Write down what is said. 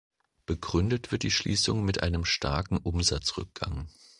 Begründet wird die Schließung mit einem starken Umsatzrückgang.